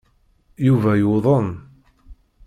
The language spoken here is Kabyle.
Yuba yuḍen.